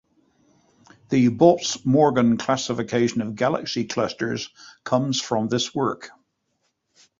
The Bautz–Morgan classification of galaxy clusters comes from this work.